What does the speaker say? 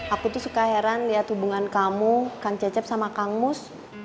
aku tuh suka heran lihat hubungan kamu kang cecep sama kang mus